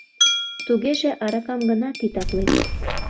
— Тугеже, аракам гына титаклет?